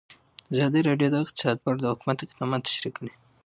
ازادي راډیو د اقتصاد په اړه د حکومت اقدامات تشریح کړي.